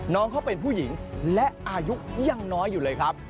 น้องเขาเป็นผู้หญิงและอายุยังน้อยอยู่เลยครับ